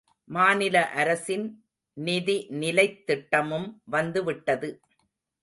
மாநில அரசின் நிதிநிலைத் திட்டமும் வந்து விட்டது.